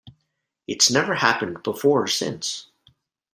It's never happened before or since.